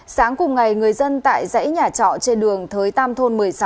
sáng cùng ngày người dân tại dãy nhà trọ trên đường thới tam thôn một mươi sáu